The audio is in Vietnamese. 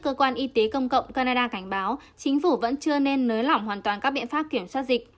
cơ quan y tế công cộng canada cảnh báo chính phủ vẫn chưa nên nới lỏng hoàn toàn các biện pháp kiểm soát dịch